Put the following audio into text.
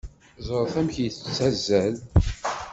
Ẓret amek yettazzal!